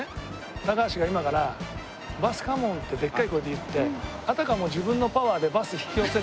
高橋が今から「バスカモーン！」ってでっかい声で言ってあたかも自分のパワーでバス引き寄せるような。